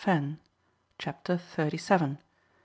CHAPTER THIRTY SEVEN.